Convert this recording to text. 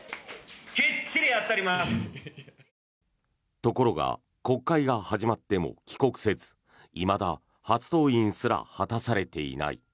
ところが国会が始まっても帰国せずいまだ初登院すら果たされていない。